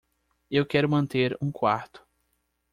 Eu quero manter um quarto.